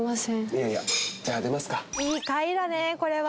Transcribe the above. いい会だねこれは。